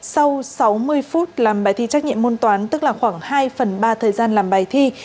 sau sáu mươi phút làm bài thi trách nhiệm môn toán tức là khoảng hai phần ba thời gian làm bài thi